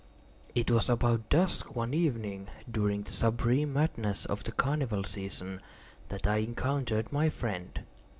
It was about dusk, one evening during the supreme madness of the carnival season, that I encountered my friend.